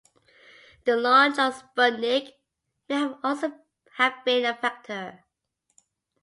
The launch of Sputnik may also have been a factor.